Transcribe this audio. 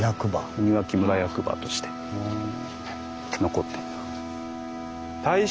鬼脇村役場として残っている。